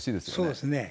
そうですね。